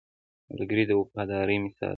ملګری د وفادارۍ مثال دی